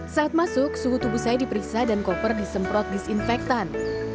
saat masuk suhu tubuh saya diperiksa dan koper disemprot disinfektan